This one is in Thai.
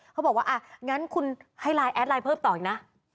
เขาบอกว่าอ่ะงั้นคุณให้ไลน์แอดไลน์เพิ่มต่ออีกนะ